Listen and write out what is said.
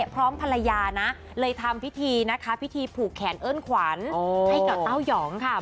พร้อมภรรยานะเลยทำพิธีนะคะพิธีผูกแขนเอิ้นขวัญให้กับเต้ายองค่ะ